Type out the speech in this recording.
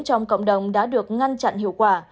trong cộng đồng đã được ngăn chặn hiệu quả